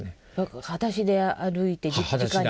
はだしで歩いてじかに。